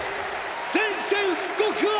宣戦布告を！！